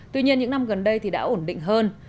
tuy nhiên những năm gần đây thì đã ổn định hơn